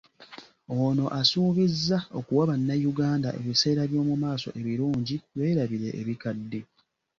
Ono asuubizza okuwa bannayuganda ebiseera by'omu maaso ebirungi beerabire ebikadde.